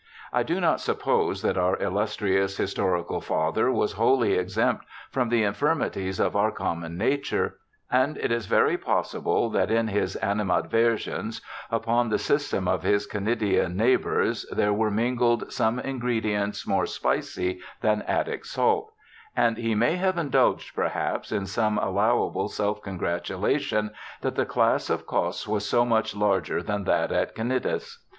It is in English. I do not suppose that our illustrious historical father was wholly exempt from the infirmities of our common nature; and it is very possible that in his animadversions upon the system of his Cnidian neighbors, there were mingled some ingredients more spicy than Attic salt ; and he may have indulged, perhaps, in some allowable self congratulation, that the class of Cos was so much larger than that at Cnidus.